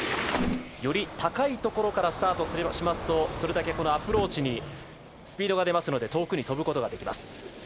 より高いところからスタートするとそれだけアプローチにスピードが出ますので遠くに飛ぶことができます。